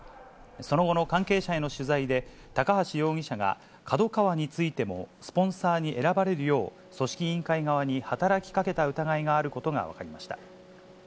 その後の関係者への取材で、高橋容疑者がＫＡＤＯＫＡＷＡについてもスポンサーに選ばれるよう、組織委員会側に働きかけた疑いがあることが分かりました。